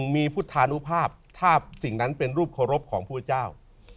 มีพุทธานุภาพถ้าสิ่งนั้นเป็นรูปเคารพของพุทธเจ้า